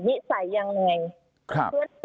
นิสัยอย่างไร